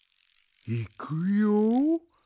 いくよ。